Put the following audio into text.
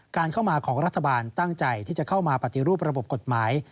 การเข้ามาของรัฐบาลตั้งใจที่จะเข้ามาปฏิรูประบบกฎหมาย